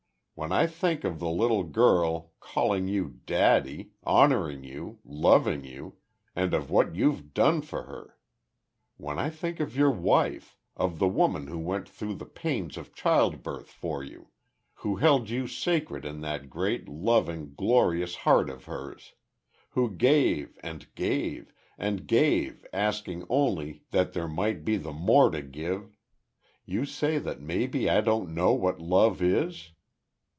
When I think of the little girl calling you daddy honoring you loving you and of what you've done for her! When I think of your wife of the woman who went through the pains of childbirth for you who held you sacred in that great, loving, glorious heart of hers who gave, and gave, and gave asking only that there might be the more to give You say that maybe I don't know what love is.